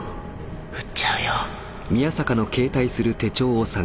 撃っちゃうよ